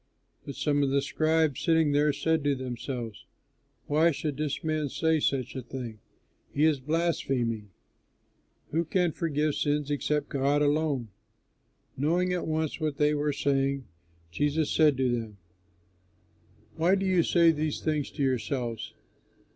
But some of the scribes sitting there said to themselves, "Why should this man say such a thing? He is blaspheming! Who can forgive sins except God alone?" Knowing at once what they were saying, Jesus said to them, "Why do you say these things to yourselves?